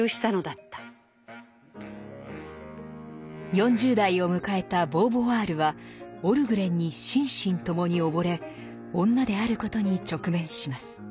４０代を迎えたボーヴォワールはオルグレンに心身ともに溺れ女であることに直面します。